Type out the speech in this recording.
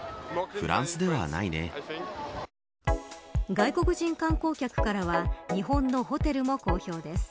外国人観光客からは日本のホテルも好評です。